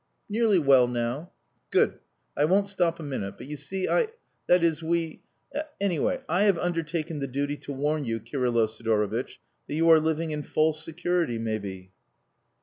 "Nearly well now." "Good. I won't stop a minute; but you see I, that is, we anyway, I have undertaken the duty to warn you, Kirylo Sidorovitch, that you are living in false security maybe."